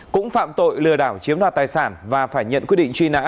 cũng phạm tội lừa đảo chiếm đoạt tài sản và phải nhận quyết định truy nã